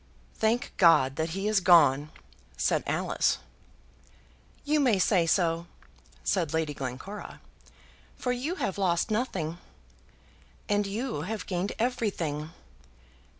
"Thank God, that he is gone!" said Alice. "You may say so," said Lady Glencora, "for you have lost nothing!" "And you have gained everything!"